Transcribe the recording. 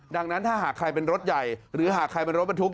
ดังนั้นถ้าหากใครเป็นรถใหญ่หรือหากใครเป็นรถบรรทุก